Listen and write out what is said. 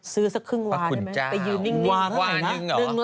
ซื้อสักครึ่งวันได้ไหมไปยืนนิ่งวาเท่าไหร่นะ